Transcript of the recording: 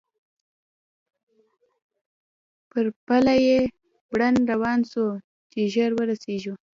پر پله په بېړه روان وو، چې ژر ورسېږو.